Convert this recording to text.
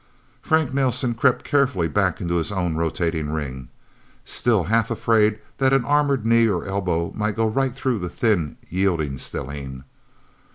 Frank Nelsen crept carefully back into his own rotating ring, still half afraid that an armored knee or elbow might go right through the thin, yielding stellene.